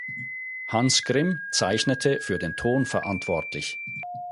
Hans Grimm zeichnete für den Ton verantwortlich.